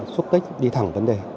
xuất tích đi thẳng vấn đề